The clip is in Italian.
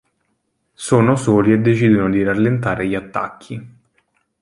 Sono soli e decidono di rallentare gli attacchi.